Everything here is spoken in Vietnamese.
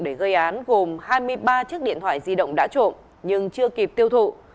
để gây án gồm hai mươi ba chiếc điện thoại di động đã trộm nhưng chưa kịp tiêu thụ